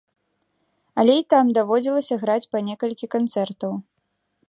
Але і там даводзілася граць па некалькі канцэртаў.